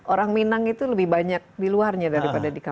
orang minang itu lebih banyak di luarnya daripada di kalang